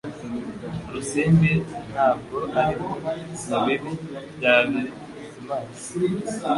Urusimbi ntabwo arimwe mubibi bya Bizimana